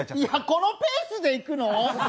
このペースでいくの？